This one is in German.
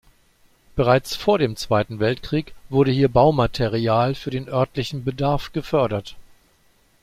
Bereits vor dem Zweiten Weltkrieg wurde hier Baumaterial für den örtlichen Bedarf gefördert.